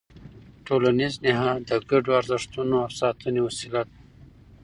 ټولنیز نهاد د ګډو ارزښتونو د ساتنې وسیله ده.